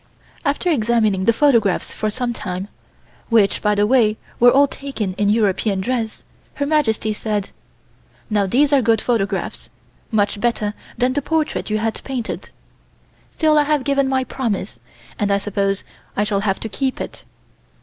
After examining the photographs for sometime, which by the way, were all taken in European dress, Her Majesty said: "Now these are good photographs; much better than the portrait you had painted. Still I have given my promise, and I suppose I shall have to keep it.